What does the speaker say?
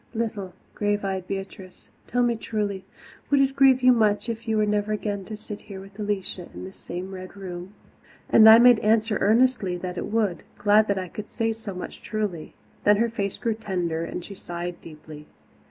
"Little, grave eyed Beatrice, tell me truly, would it grieve you much if you were never again to sit here with Alicia in this same Red Room?" And I made answer earnestly that it would, glad that I could say so much truly. Then her face grew tender and she sighed deeply.